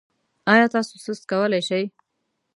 ایا تاسو سست کولی شئ؟